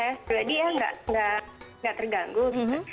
kalau rutinitas menurut saya sudah tidak terganggu gitu